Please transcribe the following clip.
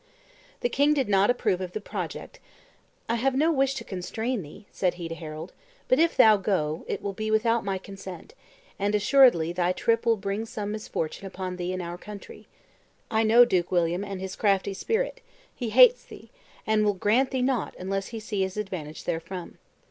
The king did not approve of the project. "I have no wish to constrain thee," said he to Harold: "but if thou go, it will be without my consent: and, assuredly, thy trip will bring some misfortune upon thee and our country. I know Duke William and his crafty spirit; he hates thee, and will grant thee nought unless he see his advantage therefrom.